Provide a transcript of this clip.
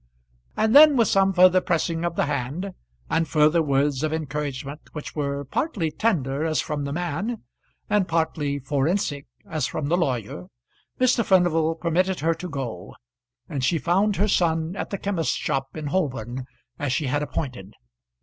And then, with some further pressing of the hand, and further words of encouragement which were partly tender as from the man, and partly forensic as from the lawyer, Mr. Furnival permitted her to go, and she found her son at the chemist's shop in Holborn as she had appointed.